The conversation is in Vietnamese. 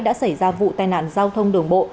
đã xảy ra vụ tai nạn giao thông đường bộ